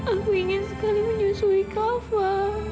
aku ingin sekali menyusui kava